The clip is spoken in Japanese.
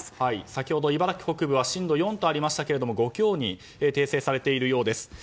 先ほど茨城北部は震度４とありましたが５強に訂正されているようです。